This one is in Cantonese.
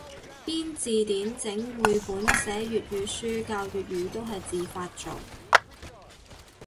編字典整繪本寫粵文書教粵語都係自發做